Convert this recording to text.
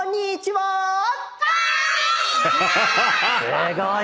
すごい！